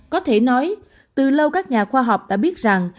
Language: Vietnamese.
có thể nói từ lâu các nhà khoa học đã biết rằng